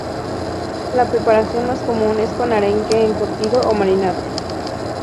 La preparación más común es con arenque encurtido o marinado.